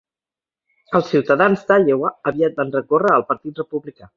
Els ciutadans d'Iowa aviat van recórrer al Partit Republicà.